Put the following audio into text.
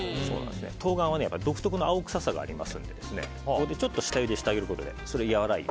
冬瓜は独特の青臭さがありますのでちょっと下ゆでしてあげることでそれが和らいで。